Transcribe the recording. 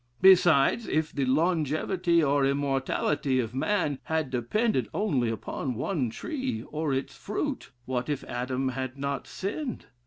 Besides, if the longevity, or immortality of man had depended only upon one tree, or its fruit, what if Adam had not sinned?